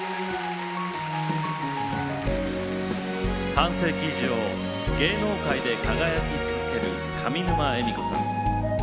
半世紀以上芸能界で輝き続ける上沼恵美子さん。